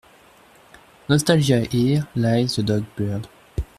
Nostalgia Here lies the dog buried.